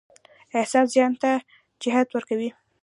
احساس ذهن ته جهت ورکوي.